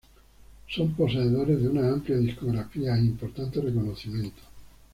Son poseedores de una amplia discografía e importantes reconocimientos.